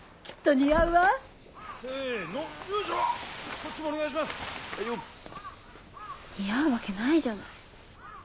似合うわけないじゃない。